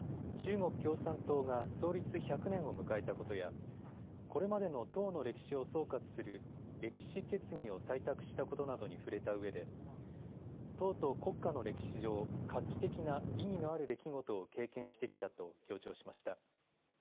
中国共産党が創立１００年を迎えたことやこれまでの党の歴史を総括する歴史決議を採択したことなどに触れたうえで党と国家の歴史上、画期的な意義のある出来事を経験してきたと強調しました。